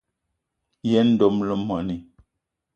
Yen dom le moní.